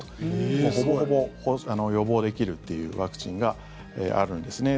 ほぼほぼ予防できるというワクチンがあるんですね。